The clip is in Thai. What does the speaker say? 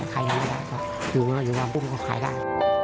ใครยังไม่ได้ก็อยู่นั่นอยู่นั่นพรุ่งเขาขายได้